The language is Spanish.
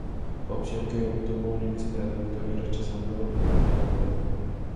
Opción que obtuvo una inesperada victoria, rechazando el acuerdo.